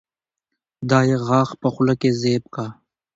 دا يې غاښ په خوله کې زېب کا